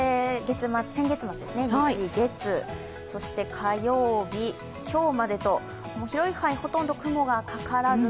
先月末ですね、日、月、そして火曜日、今日までと、広い範囲でほとんど雲がかからず